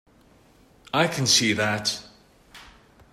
I can see that.